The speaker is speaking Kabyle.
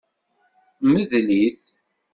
Mdel-it.